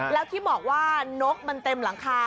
แล้วที่บอกว่านกมันเต็มหลังคา